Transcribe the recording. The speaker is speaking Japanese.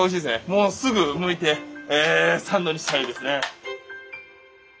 もうすぐむいてサンドにしたいですね。